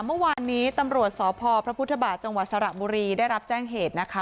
เมื่อวานนี้ตำรวจสพพระพุทธบาทจังหวัดสระบุรีได้รับแจ้งเหตุนะคะ